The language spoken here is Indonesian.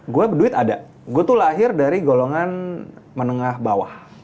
gue duit ada gue tuh lahir dari golongan menengah bawah